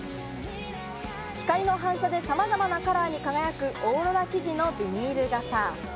光の反射でさまざまなカラーに輝くオーロラ生地のビニール傘。